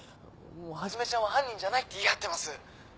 「はじめちゃんは犯人じゃない」って言い張ってます。